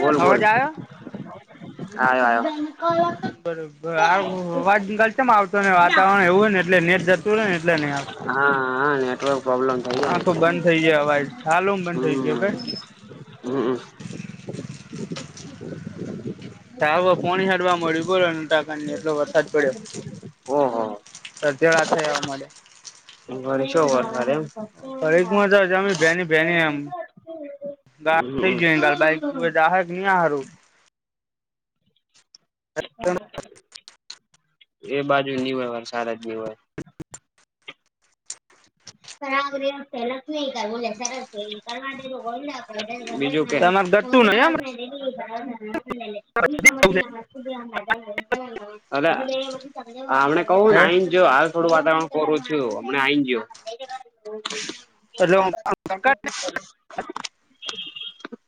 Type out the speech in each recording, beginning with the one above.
બોલ બોલ અવાજ આવ્યો આયો આયો. [unintelligible] આવતોને વાતાવરણ એવું હોય ને એટલે નેટ જ [unintelligible] એટલે નઈ હા હા નેટવર્ક પ્રોબ્લેમ થઈ [unintelligible] જાય આ ને તો એટલે બંધ થઈ ગયા હોય અવાજ ચાલુ મ બંધ થઈ ગ્યો કે. હમ્મ. તાહો પોણી હાડવા મળ્યું [unintelligible] એટલો વરસાદ પડ્યો. ઓહો [unintelligible] [unintelligible] વરશોય વરસાદ એમ ઘડીકમાં તો જમી હમ [unintelligible] ની હારું. એ બાજુ. [unintelligible] [unintelligible] બીજુ કે તમારે [unintelligible] ગતું નહી [unintelligible] એમ અલ્યા આ અમણે કહ્યું હે ને આઈ જયો થોડું વાતાવરણ કોરું થયું અમણાં આઈ જ્યો. [inaudible] એટલે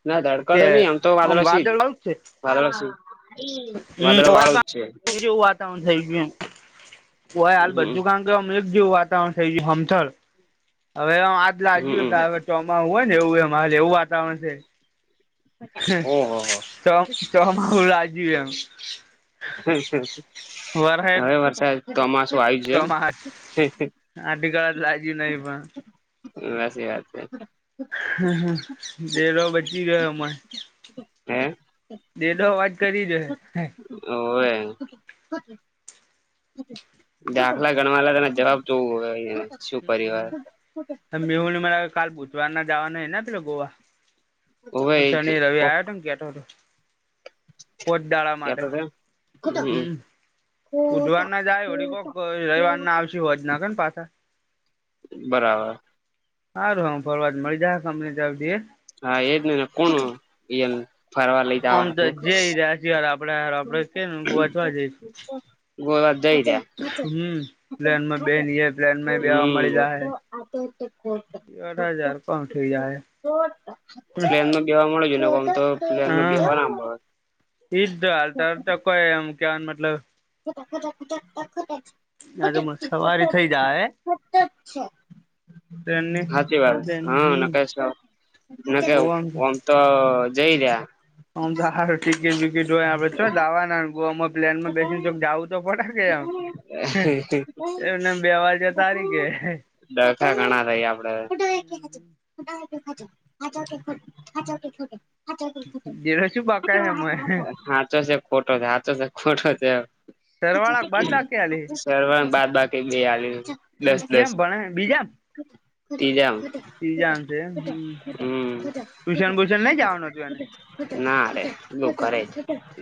ના તડકા કે તો નઈ આમ તો વાદળા છે વાદળ આવું છે વાદળા છે. હમ. [unintelligible] વાતાવરણ થઈ ગયું [unintelligible] હમ બધું કામ [unintelligible] જેવું વાતાવરણ થય ગયું હમથડ હવે એમ આજ હમ લાગ્યું ચોમાહુ હોય ને એવું એમ એવું વાતાવરણ છે ઓહો હો [unintelligible] [inaudible] વરહે હવે એટલે વરસાદ ચોમાસું આયી જુય ચોમાહા આઠ કળા લાગ્યું નહી પણ એમ હાચી વાતે હ હ ડેરો બચી ગયો અમાર હે [unintelligible] હ હમ હોવે દાખલા ગણવા આલેલાં એના જવાબ જોવું હવે અન્યા મેહુલને મરા કાલ બુધવાર ના જવાનું હોય ને પેલા ગોવા હોવે એ જ શનિ રવિ આવ્યો તન કેતો હતો પોચ દાડા માટે હ બુધવાર ના જાય હોડી કોક રવિવાર ના આવશે હોજના કેને પાછા બરાબર હારું ઓમ ફરવા મળી જાય કંપની તરફથી હે હા એજ નઈ ને કોણ ઈયન ફરવા લઈ જવાનું તું જે આપડા આપડે કે ને [unintelligible] ગોવા જ જય રહ્યા હ પ્લેન માં બેહી એ પ્લેન માં બેહવા હમ મળી જાહે [inaudible] [unintelligible] [inaudible] બેહવા મળી જાયે નકર તો પ્લેન માં બેહવા ન મળે ઈજ તો હાલતા હાલતા કોઈ એમ કેવાનું મતલબ [unintelligible] આ તો સતત સવારી થઈ જાહે છે ટ્રેનની હાચી વાત પ્લેન હા હમ ન કે ગોવામાં [unintelligible] તો જઈ રહયા હમ તો સારું ટીકીટ બિકીટ જોય આપડે ચો જાવાના [unintelligible] તો પડાકે એમ હે એમને બે વાજે તારીકેે ડખા ઘણા થાય આપડે [inaudible] હચ ખટે હચ કે ખટે [unintelligible] સાચો છે, જેરો શું બાકા હે મોય ખોટો છે, સાાચો છે, ખોટો છે. સરવાળા બાદલા કે આલી [inaudible] સારવાર બાદ બાકી બે હ દસ દસ શ્યામ ભણે ત્રીજામાં ત્રીજામાં છે, એમ ટ્યુશન બુશન નઈ જવાનું હતું એને. નારે.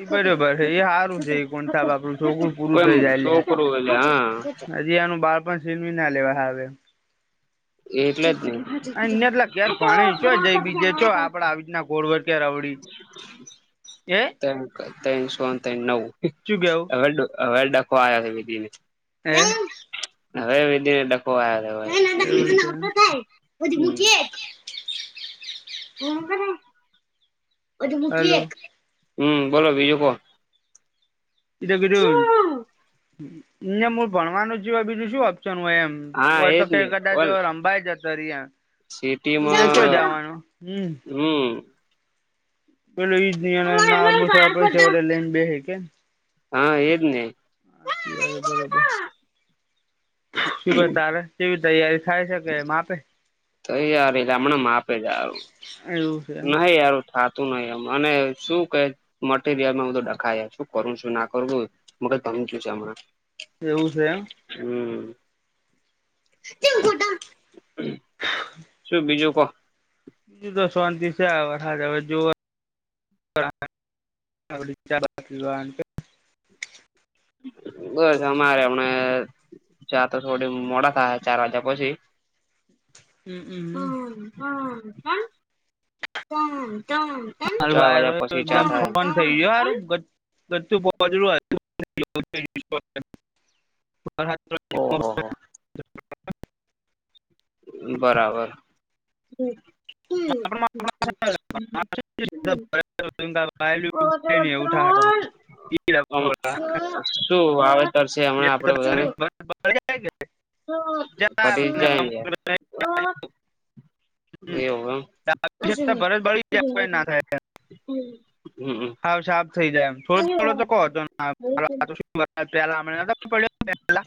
એ બરોબર છે, એ સારું છે, એ કોણતાા બાપડું છોકરું પૂરું થઈ કોઈ જાય, છોકરું એટલે હા હજી આનું બાળપણ શેનવી ના લેવાય. એટલે જ ને. અને પણ આવી ના ગોળ તો આવડી. સો ત નવ શું કેવું હવે ડખવા છે હે [unintelligible] હવે વિધીને ડકો આવ્યો. એવું છે [inaudible] બધી બુકીી એક [unintelligible] હ, હલો બોલો બીજું કો? એીધું કીધું અ ભણવાનું જી બીજું શું ઓપ્શન હોય એમ [inaudible] હા હોય તો, એજ ક ને કદાચ બોલ રમભાઈ જતો રેયા. તું નચો જવાનો હમ. હમ્મ. [unintelligible] હા, એજને. હાચી વાત, બરોબર, શું કે તારે કેવી તૈયારી? ખાય શકે, એમ આપે. તો યાર એય ગામડામા માપે જા [unintelligible] નહીં યાર. થાતું નાય, એમ અને શું કે મટીરયલમાં બધું ડખાય શું કરું ને? શું ના કરું? મગજ ભાંગી ગયું છે, હમણા. એવું. હમ્મ. [unintelligible] શું બીજું કો? બીજું તો શાંતિ છે, આ વરસાદ આવે જો [unintelligible] બસ અમારે હમને. ચા તો થોડી-મોડા થાય, ચાર વાગયા પછી. હા હા [unintelligible] હાલ, એકદમ સોન થઈ ગયો, હારુ. બધું [unintelligible] ઓહો હો બરાબર, હમ્મ. હમ્મ, હમ. [unintelligible] એવું ઓજો ત્રણ શું વાવેતર છે હમણા? આપડે બધાને પતિ જ જાયને. થાય [unintelligible] ઓ. એવું ભરત બળી જાય કોઈ ના થાય એમ. હાવ સાફ થઈ જાય એમ. થોડો થોડો તો કહો તો [inaudible] હમણાં [inaudible] પેલા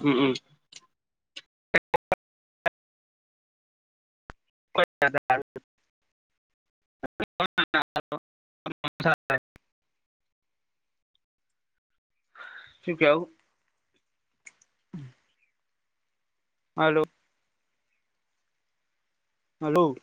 [inaudible] હમ અ [inaudible] [inaudible] શું કેવું? [inaudible] Hello hello